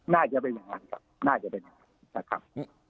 น่าจะเป็นอย่างนั้นครับ